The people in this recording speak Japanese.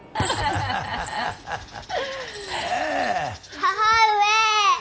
母上。